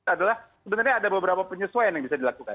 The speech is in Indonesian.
adalah sebenarnya ada beberapa penyesuaian yang bisa dilakukan